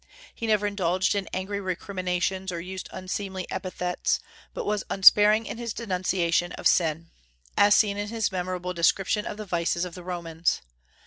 He never indulged in angry recriminations or used unseemly epithets, but was unsparing in his denunciation of sin, as seen in his memorable description of the vices of the Romans.